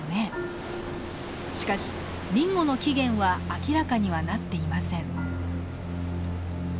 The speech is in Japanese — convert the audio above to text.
しかしディンゴの起源は明らかにはなっていません。